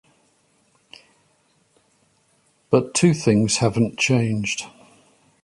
But two things haven't changed.